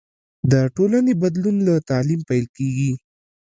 د ټولنې بدلون له تعلیم پیلېږي.